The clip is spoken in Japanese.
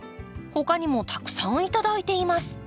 他にもたくさん頂いています。